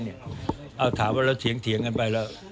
เอาถามว่าเราเถียงกันไปแล้ว